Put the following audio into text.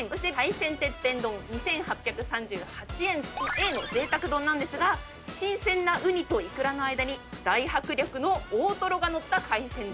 Ａの贅沢丼なんですが新鮮なウニとイクラの間に大迫力の大トロが載った海鮮丼。